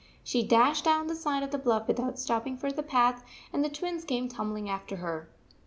She dashed down the side of the bluff without stopping for the path, and the Twins came tumbling after her.